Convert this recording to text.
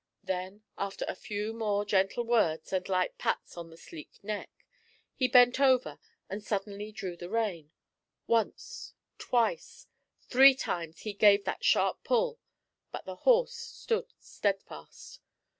Then after a few more gentle words and light pats upon the sleek neck, he bent over and suddenly drew the rein. Once, twice, three times he gave that sharp pull, but the horse stood steadfast.